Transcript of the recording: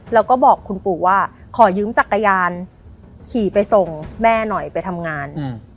แล้วก็บอกคุณปู่ว่าขอยืมจักรยานขี่ไปส่งแม่หน่อยไปทำงาน